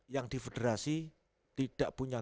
yang di federasi tidak punya